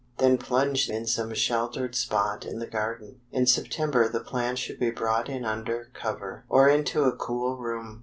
Then plunge in some sheltered spot in the garden. In September the plants should be brought in under cover, or into a cool room.